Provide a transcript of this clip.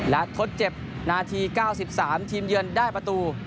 แล้วทดเจ็บนาทีเก้าสิบสามทีมเยือนได้ประตู